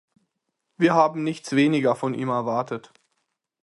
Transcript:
Wir haben nichts weniger von ihm erwartet.